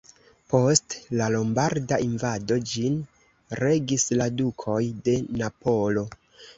Post la lombarda invado ĝin regis la dukoj de Napolo.